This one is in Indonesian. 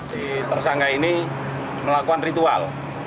di tersanggah ini melakukan ritual